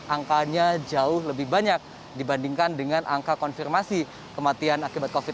angkanya jauh lebih banyak dibandingkan dengan angka konfirmasi kematian akibat covid sembilan belas